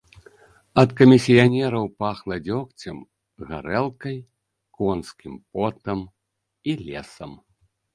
Ад камісіянераў пахла дзёгцем, гарэлкай, конскім потам і лесам.